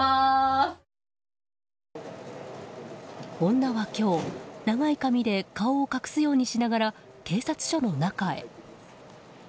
女は今日長い髪で顔を隠すようにしながら警察署の中へ。